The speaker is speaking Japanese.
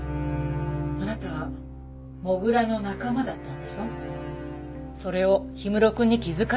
「あなた土竜の仲間だったんでしょ？」それを氷室くんに気づかれた。